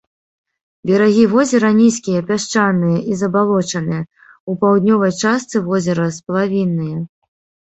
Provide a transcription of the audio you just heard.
Берагі возера нізкія, пясчаныя і забалочаныя, у паўднёвай частцы возера сплавінныя.